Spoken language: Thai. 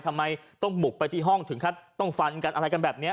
ทำไมต้องบุกไปที่ห้องถึงขั้นต้องฟันกันอะไรกันแบบนี้